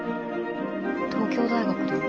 東京大学と。